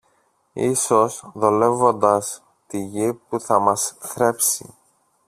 Ίσως δουλεύοντας τη γη που θα μας θρέψει.